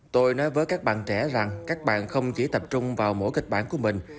tôi nói với các bạn trẻ rằng các bạn không chỉ tập trung vào mỗi kịch bản của mình